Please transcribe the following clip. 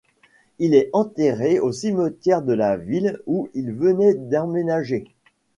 Il est enterré au cimetière de la ville où il venait d'emménager.